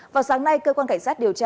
vào sáng nay cơ quan cảnh sát điều khiển